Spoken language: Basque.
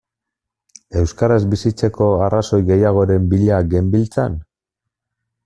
Euskaraz bizitzeko arrazoi gehiagoren bila genbiltzan?